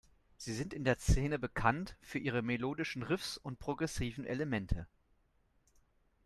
Sie sind in der Szene bekannt für ihre melodischen Riffs und progressiven Elemente.